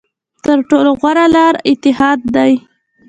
تر ټولو غوره لاره اتحاد دی.